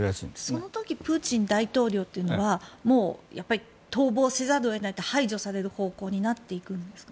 その時プーチン大統領というのはもう逃亡せざるを得ない排除される方向になっていくんですか？